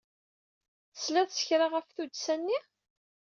Tesliḍ s kra ɣef tuddsa-nni?